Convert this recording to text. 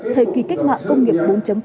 thời kỳ kích mạng công nghiệp bốn